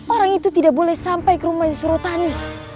orang itu tidak boleh sampai ke rumah surotani